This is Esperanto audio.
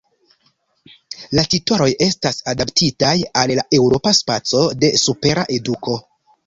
La titoloj estas adaptitaj al la Eŭropa Spaco de Supera Eduko.